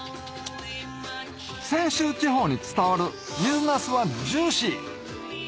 泉州地方に伝わる水なすはジューシー！